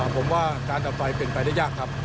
ผมว่าการออกไฟเกิดไปได้ยากครับ